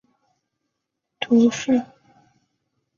萨尔扎人口变化图示